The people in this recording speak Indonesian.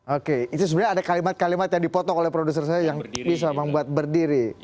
oke itu sebenarnya ada kalimat kalimat yang dipotong oleh produser saya yang bisa membuat berdiri